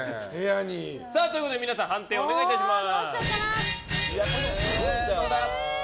ということで、皆さん判定をお願いいたします。